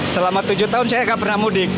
selama tujuh tahun saya tidak pernah mudik